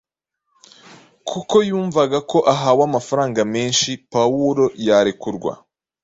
kuko yumvaga ko ahawe amafaranga menshi Pawulo yarekurwa.